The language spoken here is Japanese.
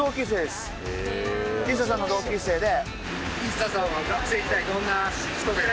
ＩＳＳＡさんの同級生で。